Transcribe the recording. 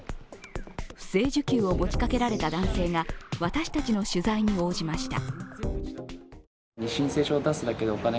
不正受給を持ちかけられた男性が私たちの取材に応じました。